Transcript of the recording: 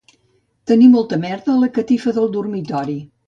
Tenir molta merda a la catifa del dormitori